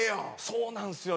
そうなんすよ。